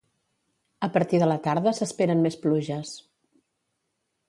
A partir de la tarda s'esperen més pluges.